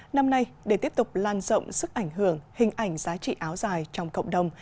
năm nay để tiếp tục lan rộng sức ảnh hưởng hình ảnh giá trị áo dài trong cộng đồng